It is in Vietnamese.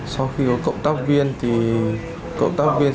sau khi có cộng tác viên thì cộng tác viên